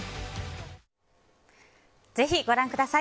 ぜひ、ご覧ください。